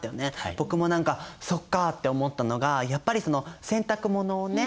僕も何かそっかって思ったのがやっぱり洗濯物をね